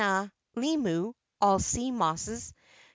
limu (all sea mosses).